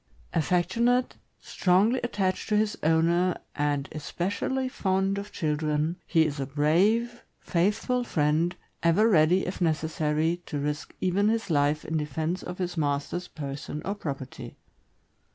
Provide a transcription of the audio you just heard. Affectionate, strongly attached to his owner, and especially fond of children, he is a brave, faithful friend, ever ready, if necessary, to risk even his life in defense of his master' s person or property.